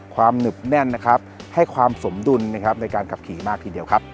ความหนึบแน่นนะครับให้ความสมดุลในการกลับขี่มากทีเดียวครับ